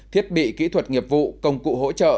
thiết bị kỹ thuật nghiệp vụ công cụ hỗ trợ